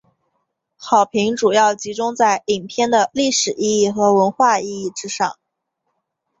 好评主要集中在影片的历史意义和文化意义之上。